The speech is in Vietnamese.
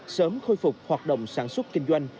sớm khôi phục hoạt động sản xuất kinh doanh